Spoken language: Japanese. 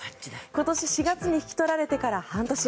今年４月に引き取られてから半年。